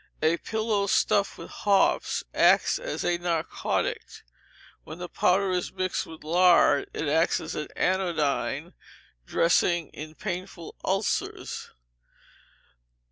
A pillow stuffed with hops acts as a narcotic. When the powder is mixed with lard, it acts as an anodyne dressing in painful ulcers.